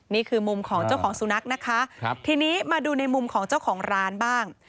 นี่คือมุมของเจ้าของสุนัขนะคะครับทีนี้มาดูในมุมของเจ้าของร้านบ้าง